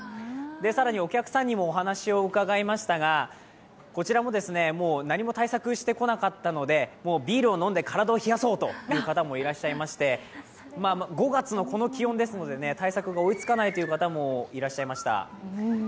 更にお客さんにもお話を伺いましたが、こちらももう何も対策してこなかったのでビールを飲んで体を冷やそうという方もいらっしゃいまして、５月のこの気温ですので、対策が追いつかないという方もいらっしゃいました。